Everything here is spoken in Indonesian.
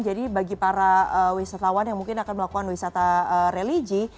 jadi bagi para wisatawan yang mungkin akan melakukan wisata religi